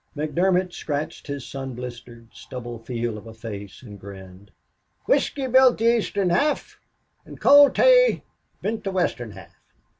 McDermott scratched his sun blistered, stubble field of a face, and grinned. "Whisky built the eastern half, an' cold tay built the western half."